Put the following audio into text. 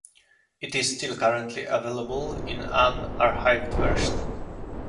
It is still currently available in an archived version.